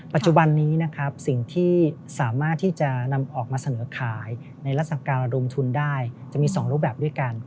ปัจจุบันนี้นะครับสิ่งที่สามารถที่จะนำออกมาเสนอขายในลักษณะการระดมทุนได้จะมี๒รูปแบบด้วยกัน